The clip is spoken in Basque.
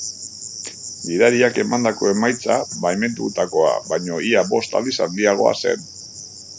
Gidariak emandako emaitza baimendutakoa baino ia bost aldiz handiagoa zen.